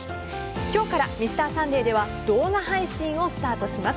今日から「Ｍｒ．サンデー」では動画配信をスタートします。